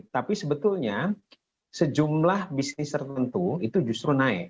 tapi sebetulnya sejumlah bisnis tertentu itu justru naik